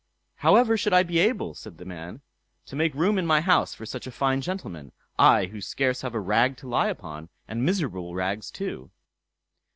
"How ever should I be able", said the man, "to make room in my house for such a fine gentleman—I who scarce have a rag to lie upon, and miserable rags too?"